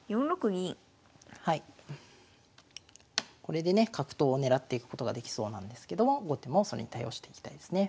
これでね角頭を狙っていくことができそうなんですけども後手もそれに対応していきたいですね。